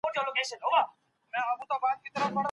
دوی د ټولني په کلتور او هنر پوهېږي.